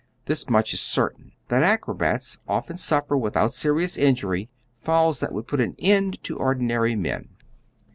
This much is certain, that acrobats often suffer without serious injury falls that would put an end to ordinary men.